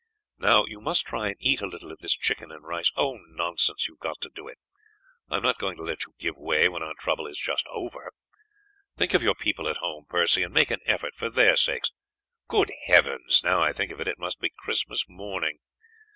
Now you must try and eat a little of this chicken and rice. Oh, nonsense, you have got to do it. I am not going to let you give way when our trouble is just over. Think of your people at home, Percy, and make an effort for their sakes. Good Heavens! now I think of it, it must be Christmas morning.